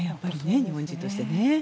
日本人としてね。